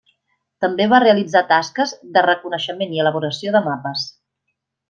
També va realitzar tasques de reconeixement i elaboració de mapes.